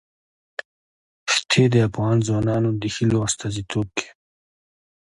ښتې د افغان ځوانانو د هیلو استازیتوب کوي.